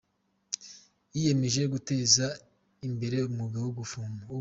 yiyemeje guteza imbere umwuga wo gufuma